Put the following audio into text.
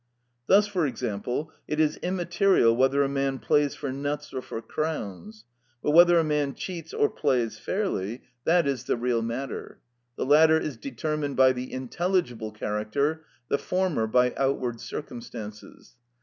Thus, for example it is immaterial whether a man plays for nuts or for crowns; but whether a man cheats or plays fairly, that is the real matter; the latter is determined by the intelligible character, the former by outward circumstances.